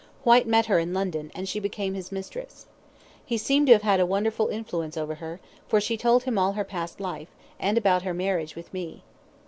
Whyte met her in London, and she became his mistress. He seemed to have had a wonderful influence over her, for she told him all her past life, and about her marriage with me.